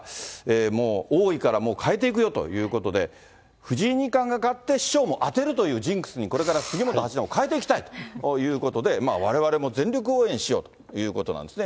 もう王位から変えていくよということで、藤井二冠が勝って、師匠も当てるというジンクスにこれから杉本八段も変えていきたいということで、われわれも全力応援しようということなんですね。